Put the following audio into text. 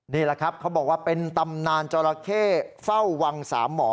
นี่แหละครับเขาบอกว่าเป็นตำนานจราเข้เฝ้าวังสามหมอ